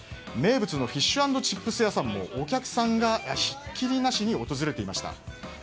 名物のフィッシュ＆チップス屋さんもお客さんがひっきりなしに訪れていました。